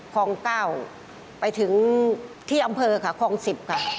คลอง๙ไปถึงที่อำเภอค่ะคลอง๑๐ค่ะ